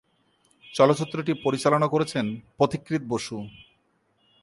চলচ্চিত্রটি পরিচালনা করেছেন পথিকৃৎ বসু।